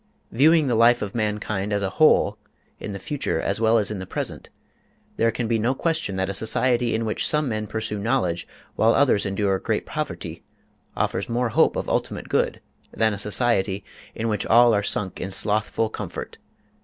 Viewing the life of mankind as a whole, in the future as well as in the present, there can be no question that a society in which some men pursue knowledge while others endure great poverty offers more hope of ultimate good than a society in which all are sunk in slothful comfort.